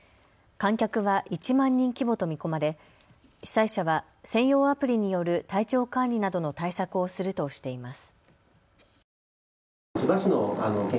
観客は１万人規模と見込まれ主催者は専用アプリによる体調管理などの対策をするとしています。